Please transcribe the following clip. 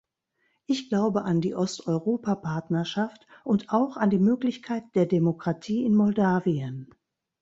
Ich glaube an die Osteuropa-Partnerschaft und auch an die Möglichkeit der Demokratie in Moldawien.